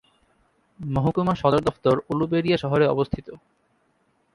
মহকুমার সদর দফতর উলুবেড়িয়া শহরে অবস্থিত।